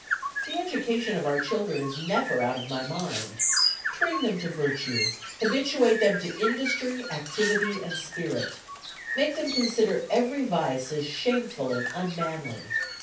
... "The education of our children is never out of my mind. Train them to virtue. Habituate them to industry, activity, and spirit. Make them consider every vice as shameful and unmanly.